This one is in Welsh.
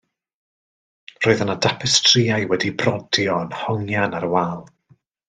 Roedd yna dapestrïau wedi'u brodio yn hongian ar y wal.